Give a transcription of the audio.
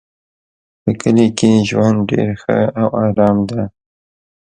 په کلي کې ژوند ډېر ښه او آرام ده